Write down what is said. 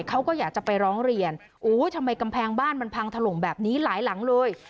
เขาก็อยากจะไปร้องเรียนโอ้ยทำไมกำแพงบ้านมันพังถล่มแบบนี้หลายหลังเลย